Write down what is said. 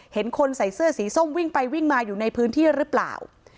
เห็นคนใส่เสื้อสีส้มวิ่งไปวิ่งมาอยู่ในพื้นที่หรือเปล่า